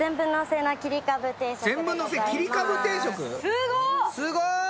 すごっ！